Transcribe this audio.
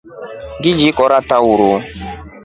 Ngili kora taa uruu.